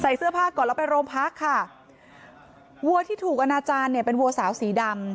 เสื้อผ้าก่อนแล้วไปโรงพักค่ะวัวที่ถูกอนาจารย์เนี่ยเป็นวัวสาวสีดำ